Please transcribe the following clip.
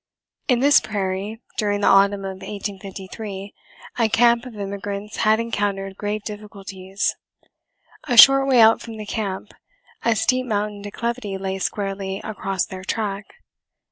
In this prairie, during the autumn of 1853, a camp of immigrants had encountered grave difficulties. A short way out from the camp, a steep mountain declivity lay squarely across their track.